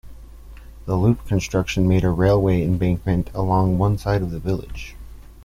The loop construction made a railway embankment along one side of the village.